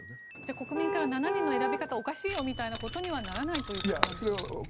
国民から７人の選び方おかしいよみたいなことにはならないということですか。